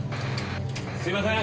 すいません！